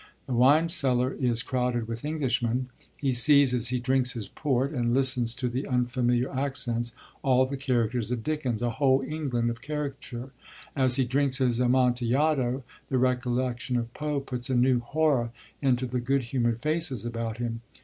The wine cellar is crowded with Englishmen: he sees, as he drinks his port, and listens to the unfamiliar accents, all the characters of Dickens a whole England of caricature; as he drinks his Amontillado, the recollection of Poe puts a new horror into the good humoured faces about him.